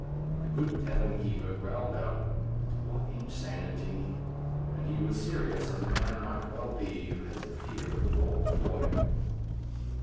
The good tavern keeper growled out, "What insanity!" And he was serious as a man might well be who has the fear of the law before him.